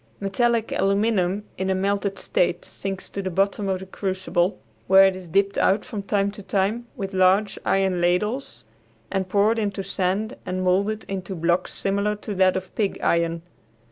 Metallic aluminum in a melted state sinks to the bottom of the crucible, where it is dipped out from time to time with large iron ladles and poured into sand and molded into blocks similar to that of pig iron.